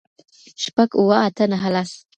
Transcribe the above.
شپږ اووه آته نهه لس